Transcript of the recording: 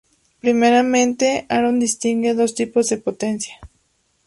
Primeramente, Aron distingue dos tipos de potencia.